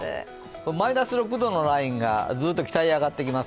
マイナス６度のラインがずっと北へ上がってきます。